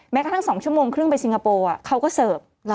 กระทั่ง๒ชั่วโมงครึ่งไปซิงคโปร์เขาก็เสิร์ฟ